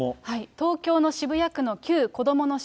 東京の渋谷区の旧こどもの城。